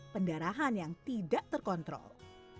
pendarahan yang tidak terkontrol